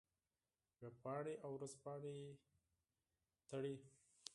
وېبپاڼې او ورځپاڼې بندوي.